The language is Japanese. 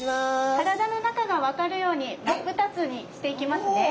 体の中が分かるように真っ二つにしていきますね。